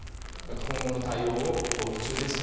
今後の対応を協議中ですと。